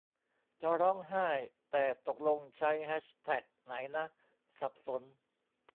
จะร้องไห้ แต่ตกลงใช้แฮชแท็กไหนนะ สับสน